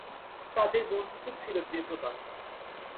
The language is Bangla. তাদের বন্ধুত্ব ছিল দীর্ঘকাল।